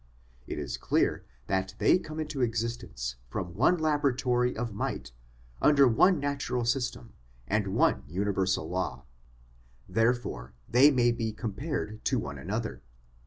It is clear that they come into existence from one laboratory of might under one natural system, and one universal law; therefore they may be compared to one another.